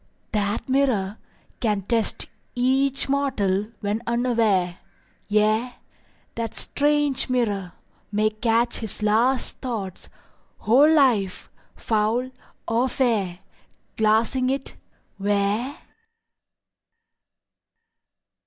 That mirror Can test each mortal when unaware; Yea, that strange mirror May catch his last thoughts, whole life foul or fair, Glassing it—where?